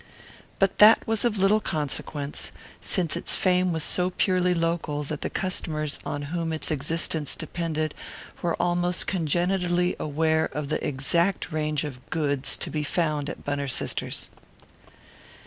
But that was of little consequence, since its fame was so purely local that the customers on whom its existence depended were almost congenitally aware of the exact range of "goods" to be found at Bunner Sisters'.